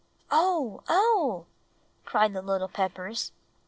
"Oh, oh!" cried the little Peppers.